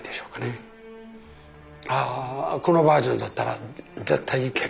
ああこのバージョンだったら絶対いける